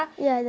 ya dari jakarta